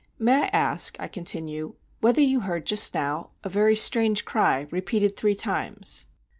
"May I ask," I continue, "whether you heard just now a very strange cry repeated three times?"